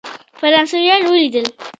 فرانسویان ولیدل.